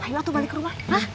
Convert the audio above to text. ayo aku balik ke rumah